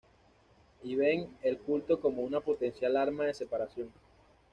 Y ven el culto como una potencial arma de separación.